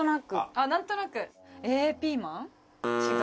あっなんとなく。